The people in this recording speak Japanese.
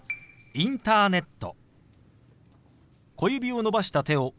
「インターネット」。